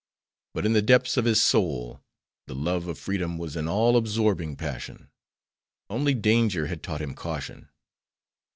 But in the depths of his soul the love of freedom was an all absorbing passion; only danger had taught him caution.